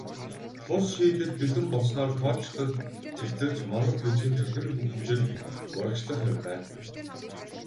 Тус шийдэл бэлэн болсноор кодчилол цэгцэрч, монгол бичгийн цахим хөгжил урагшлах юм байна.